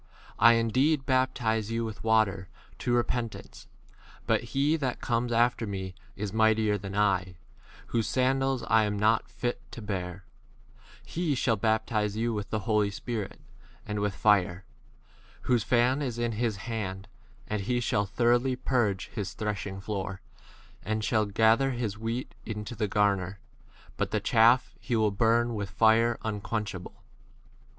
I indeed baptize you with water to repentance, but he that comes after me is mightier than I, whose sandals s I am not fit to bear; he 1 shall baptize you with [the] Holy Spirit and with 12 fire : whose fan is in his hand, and he shall thoroughly purge his threshing floor, and shall ga ther his wheat into the garner, but the chaff he will burn with fire unquenchable.